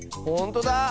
ほんとだ！